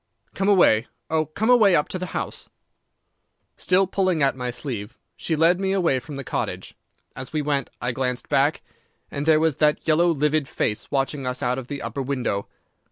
Come away—oh, come away up to the house.' "Still pulling at my sleeve, she led me away from the cottage. As we went I glanced back, and there was that yellow livid face watching us out of the upper window.